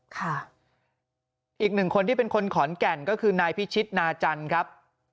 อีกหนึ่งคนที่เป็นคนขอนแก่นก็คือนายพิชิตนาจันทร์ครับ